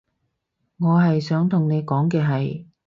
我係想同你講嘅係